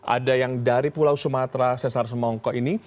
ada yang dari pulau sumatera sesar semongkok ini